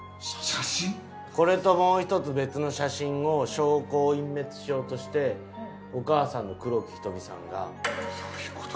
これともう１つ別の写真を証拠を隠滅しようとしてお母さんの黒木瞳さんが消している。